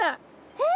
えっ？